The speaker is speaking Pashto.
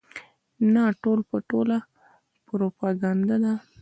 نه ټول په ټوله پروپاګنډه ده.